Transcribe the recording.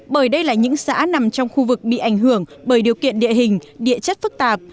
bởi đây là những xã nằm trong khu vực bị ảnh hưởng bởi điều kiện địa hình địa chất phức tạp